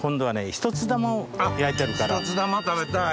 一つ玉食べたい。